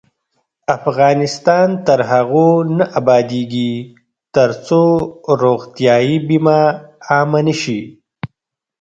افغانستان تر هغو نه ابادیږي، ترڅو روغتیايي بیمه عامه نشي.